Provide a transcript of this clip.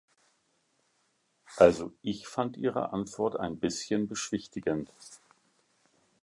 Also, ich fand Ihre Antwort ein bisschen beschwichtigend.